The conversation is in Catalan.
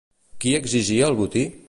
Qui exigia el botí?